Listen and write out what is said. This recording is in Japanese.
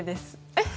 えっ